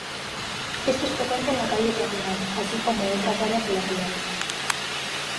Esto es frecuente en la calle peatonal, así como otras áreas de la ciudad.